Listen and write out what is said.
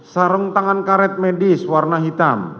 sarung tangan karet medis warna hitam